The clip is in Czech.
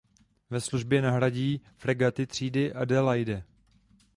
Ve službě nahradí fregaty třídy "Adelaide".